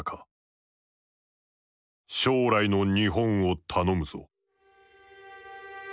「将来の日本を頼むぞ」。